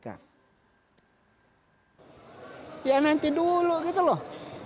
ya nanti dulu gitu loh